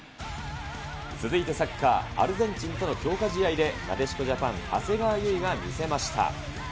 続いてサッカー、アルゼンチンとの強化試合で、なでしこジャパン、長谷川唯が見せました。